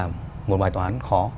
một bài toán khó